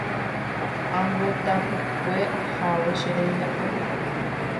Ambotapykue ahávo che rembiapo.